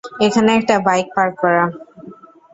এখানে একটা bike park করা।